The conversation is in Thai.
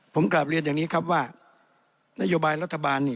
ผมกลับเรียนอย่างนี้ครับว่านโยบายรัฐบาลนี่